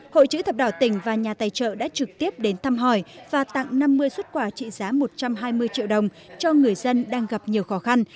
hội chữ thập đỏ tỉnh và nhà tài trợ đã trực tiếp đến thăm hỏi và tặng năm mươi xuất quà trị giá một trăm hai mươi triệu đồng cho người dân đang gặp nhiều khó khăn